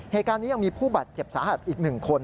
เหตุการณ์นี้ยังมีผู้บาดเจ็บสาหัสอีก๑คน